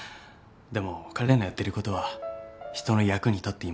でも彼のやってることは人の役に立っていますよ。